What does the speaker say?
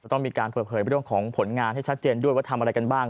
ต้องมีการเปิดเผยเรื่องของผลงานให้ชัดเจนด้วยว่าทำอะไรกันบ้าง